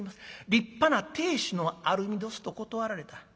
立派な亭主のある身どす』と断られた。